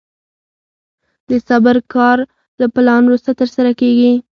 د صبر کار له پلان وروسته ترسره کېږي.